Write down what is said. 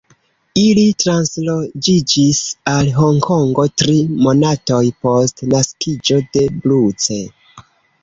Ili transloĝiĝis al Honkongo tri monatoj post naskiĝo de Bruce.